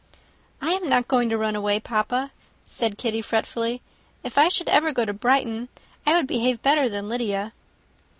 "I am not going to run away, papa," said Kitty, fretfully. "If I should ever go to Brighton, I would behave better than Lydia."